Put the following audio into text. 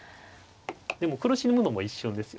でも苦しむのも一瞬ですよ。